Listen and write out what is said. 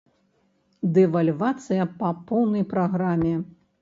Дэвальвацыя па поўнай праграме.